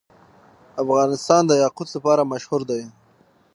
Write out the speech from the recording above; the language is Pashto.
افغانستان د یاقوت لپاره مشهور دی.